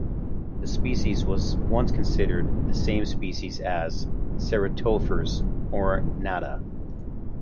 This species was once considered the same species as "Ceratophrys ornata".